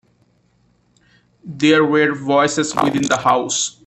There were voices within the house.